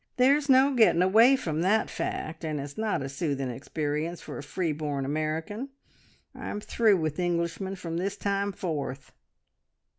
There's no getting; away from that fact, and it's not a soothing experience for a free born American. I'm through with Englishmen from this time forth!"